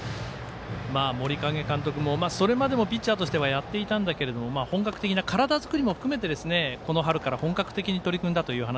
森影監督もそれまでピッチャーとしてはやっていたんだけれども本格的な体作りを含めてこの春から本格的に取り組んだと